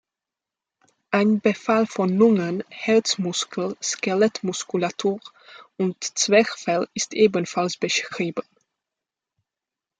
Ein Befall von Lungen, Herzmuskel, Skelettmuskulatur und Zwerchfell ist ebenfalls beschrieben.